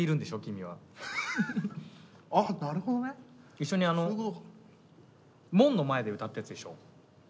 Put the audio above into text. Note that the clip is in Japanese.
一緒にあの門の前で歌ったやつでしょ